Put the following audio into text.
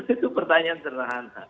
itu pertanyaan cerah cerahan